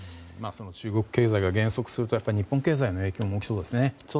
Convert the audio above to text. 中国経済が減速すると日本経済への影響も大きそうですね。